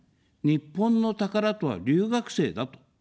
日本の宝とは、留学生だと。